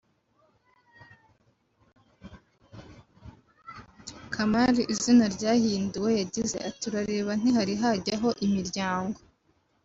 Kamali (izina ryahinduwe) yagize ati “Urareba ntihari hajyaho imiryango